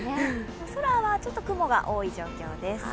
空はちょっと雲が多い状況です。